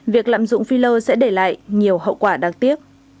việc lạm dụng filer sẽ để lại nhiều hậu quả đáng tiếc